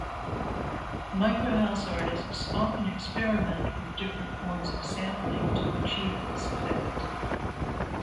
Microhouse artists often experiment with different forms of sampling to achieve this effect.